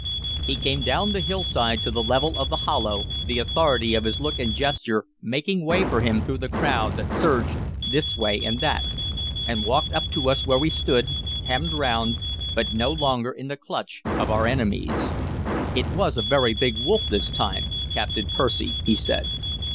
He came down the hillside to the level of the hollow, the authority of his look and gesture making way for him through the crowd that surged this way and that, and walked up to us where we stood, hemmed round, but no longer in the clutch of our enemies. "It was a very big wolf this time, Captain Percy," he said.